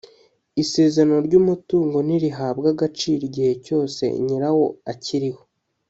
isezerano ry umutungo ntirihabwa agaciro igihe cyose nyirawo akiriho